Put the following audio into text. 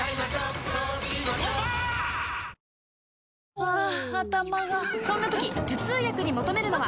あハァ頭がそんな時頭痛薬に求めるのは？